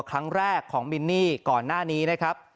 ครั้งแรกของมินนี่ก่อนหน้านี้นะครับ